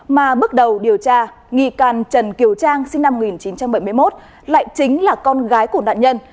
mà bước đầu điều tra nghi can trần kiều trang sinh năm một nghìn chín trăm bảy mươi một lại chính là con gái của nạn nhân